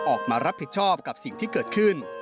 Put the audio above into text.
ออกมารับผิดชอบกับสิ่งที่เกิดขึ้น